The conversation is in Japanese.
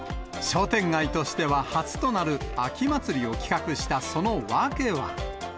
商店街としては初となる秋祭りを企画したその訳は。